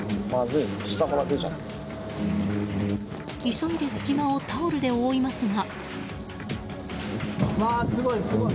急いで隙間をタオルで覆いますが。